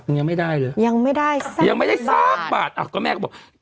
ยังไม่ได้ยังไม่ได้สักบาทยังไม่ได้สักบาทอ่ะก็แม่เขาบอก